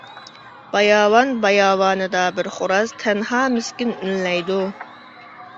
باياۋان باياۋاندا بىر خوراز، تەنھا مىسكىن ئۈنلەيدۇ.